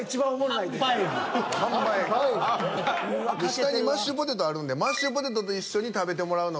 下にマッシュポテトあるんでマッシュポテトと一緒に食べてもらうのが。